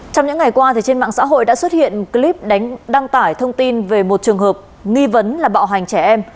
trong những ngày qua trên mạng xã hội đã xuất hiện clip đăng tải thông tin về một trường hợp nghi vấn là bạo hành trẻ em